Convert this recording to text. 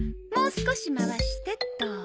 もう少し回してっと。